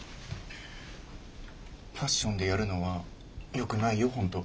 ファッションでやるのはよくないよ本当。